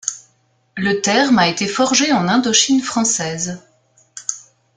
Le terme a été forgé en Indochine française.